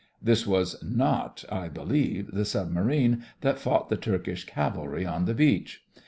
This was not, I be lieve, the submarine that fought the Turkish cavalry on the beach.